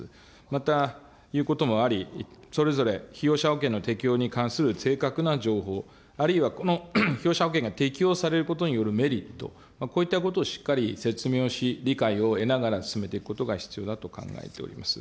また、いうこともあり、それぞれ被用者保険の適用に関する正確な情報、あるいはこの保険が適用されることによるメリット、こういったことをしっかり説明をし、理解を得ながら進めていくことが必要だと考えております。